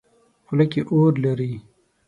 خوله کې اور لري.